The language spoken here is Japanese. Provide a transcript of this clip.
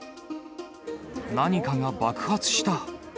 何かが爆発した。